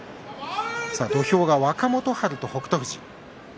土俵は若元春と北勝富士。